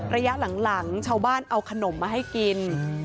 ระยะหลังชาวบ้านเอาขนมมาให้กิน